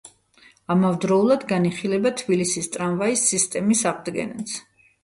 ამავდროულად განიხილება თბილისის ტრამვაის სისტემის აღდგენაც.